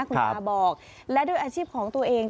คุณตาบอกและด้วยอาชีพของตัวเอง